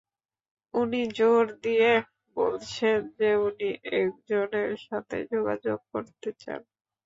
উনি জোর দিয়ে বলছেন যে, উনি একজনের সাথে যোগাযোগ করতে চান।